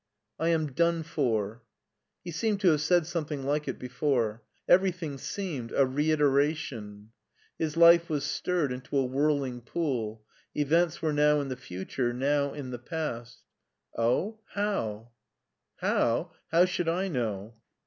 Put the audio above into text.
" I am done for.'* He seemed to Have said some thing like It before. Everything seemed a reiteration. His life was stirred into a whirling pool ; evenfs were now in the future, now in the past ^Ohlhow?'* 234 MARTIN SCHULER "How? How should I know."